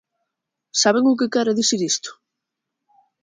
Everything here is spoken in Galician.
¿Saben o que quere dicir isto?